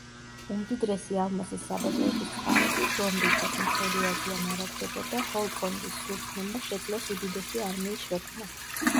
უმდიდრესი ალმასის საბადოების წყალობით, რომლითაც მთელი აზია მარაგდებოდა, ჰოლკონდის სულთნებმა შეძლეს უდიდესი არმიის შექმნა.